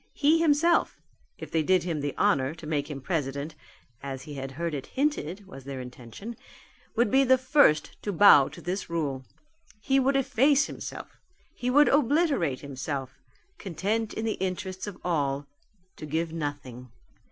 He himself if they did him the honour to make him president as he had heard it hinted was their intention would be the first to bow to this rule. He would efface himself. He would obliterate himself, content in the interests of all, to give nothing.